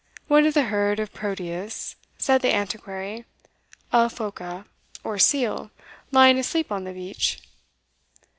"One of the herd of Proteus," said the Antiquary "a phoca, or seal, lying asleep on the beach."